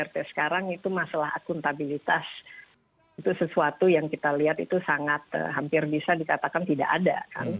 karena sampai sekarang itu masalah akuntabilitas itu sesuatu yang kita lihat itu sangat hampir bisa dikatakan tidak ada